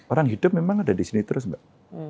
orang hidup memang ada disini terus mbak